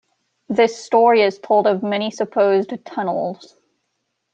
This story is told of many supposed tunnels.